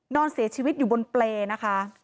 นอนเสียชีวิตอยู่บนเปรย์นะคะ